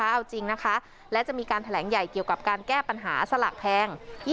เอาจริงนะคะและจะมีการแถลงใหญ่เกี่ยวกับการแก้ปัญหาสลากแพง